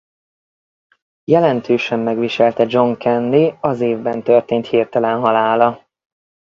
Jelentősen megviselte John Candy az évben történt hirtelen halála.